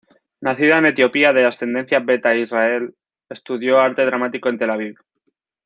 Nacida en Etiopía de ascendencia Beta Israel, estudió arte dramático en Tel Aviv.